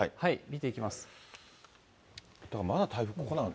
では、まだ台風、ここなの？